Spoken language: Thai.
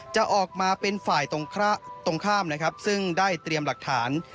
จะออกมาเป็นฝ่ายตรงข้ามนะครับซึ่งได้เตรียมหลักฐาน